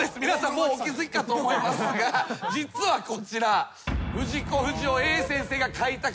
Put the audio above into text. もうお気付きかと思いますが実はこちら。